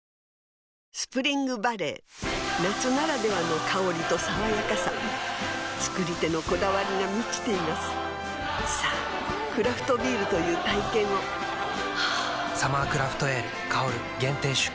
スプリングバレー夏ならではの香りと爽やかさ造り手のこだわりが満ちていますさぁクラフトビールという体験を「サマークラフトエール香」限定出荷